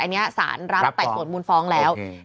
อันนี้สารรับไต่สวนมูลฟ้องแล้ว